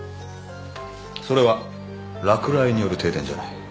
それは落雷による停電じゃない。